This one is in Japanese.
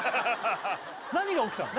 何が起きたの？